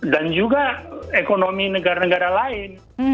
dan juga ekonomi negara negara lain